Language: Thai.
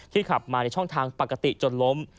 ขับมาในช่องทางปกติจนล้ม